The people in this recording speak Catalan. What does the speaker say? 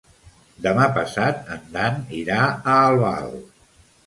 Demà passat en Dan irà a Albal.